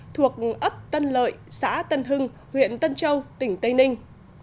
thuộc ấp tân lợi xã tân hưng huyện tân châu tỉnh tây ninh